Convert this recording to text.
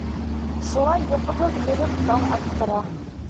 Шулай йоҡоһоҙ йөрөп таң аттыра.